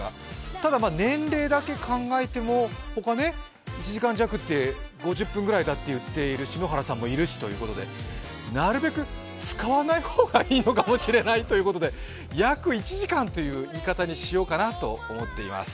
ただ年齢だけ考えても、ここで１時間弱は５０分ぐらいだって言っている篠原さんもいるしということでなるべく使わない方がいいのかもしれないということで、約１時間という言い方にしようかなと思っています。